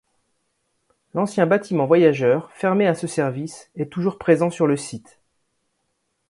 L'ancien bâtiment voyageurs, fermé à ce service, est toujours présent sur le site.